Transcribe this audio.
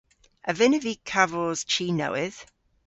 A vynnav vy kavos chi nowydh?